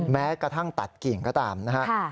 แม้กระทั่งตัดกิ่งก็ตามนะฮะ